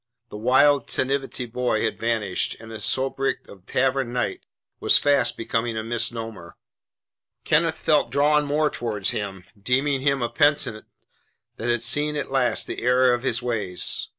The wild tantivy boy had vanished, and the sobriquet of "Tavern Knight" was fast becoming a misnomer. Kenneth felt drawn more towards him, deeming him a penitent that had seen at last the error of his ways.